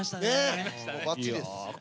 ばっちりです。